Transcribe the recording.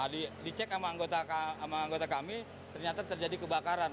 dicek sama anggota kami ternyata terjadi kebakaran